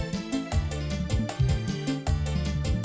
hai ekornya ya